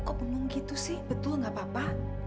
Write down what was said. aku cuma kalo reda di tempat mu itu place itu baik baik saja